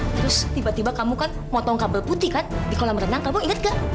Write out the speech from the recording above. terus tiba tiba kamu kan motong kabel putih kan di kolam renang kamu inget gak